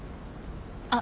あっ。